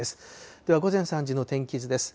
では、午前３時の天気図です。